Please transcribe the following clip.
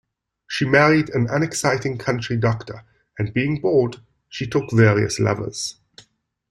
She married an unexciting country doctor, and being bored, she took various lovers.